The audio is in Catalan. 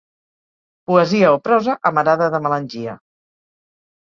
Poesia o prosa amarada de melangia.